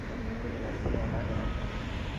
Los miembros de la Tríada eran hombres.